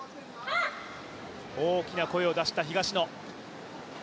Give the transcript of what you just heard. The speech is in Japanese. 大きな声を出した東野。